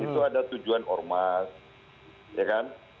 itu ada tujuan ormas ya kan